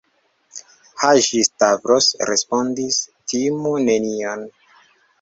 Haĝi-Stavros respondis: Timu nenion.